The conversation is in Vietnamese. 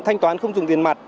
thanh toán không dùng tiền mặt